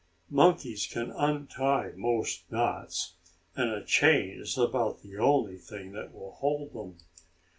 Monkeys can untie most knots, and a chain is about the only thing that will hold them.